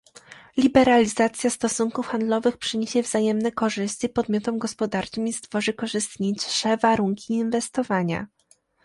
Liberalizacja stosunków handlowych przyniesie wzajemne korzyści podmiotom gospodarczym i stworzy korzystniejsze warunki inwestowania